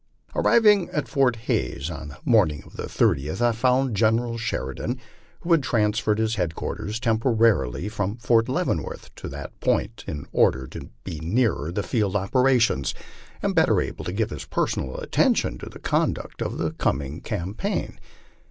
Arriving at Fort Hays on the morning of the 30th, I found General Sheridan, who had transferred his headquarters temporarily from Fort Leavenworth to that point in order to be nearer the field of opera tions, and better able to give his personal attention to the conduct of the com ing campaign.